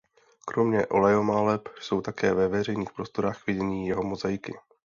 Kromě olejomaleb jsou také ve veřejných prostorech k vidění jeho mozaiky.